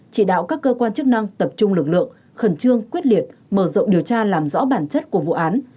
chỉ đạo các cơ quan chức năng tập trung lực lượng khẩn trương quyết liệt mở rộng điều tra làm rõ bản chất của vụ án